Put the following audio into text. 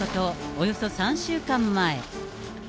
およそ３週間前。